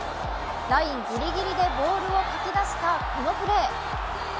ラインギリギリでボールをかきだしたこのプレー。